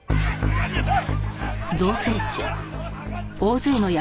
戻りなさい！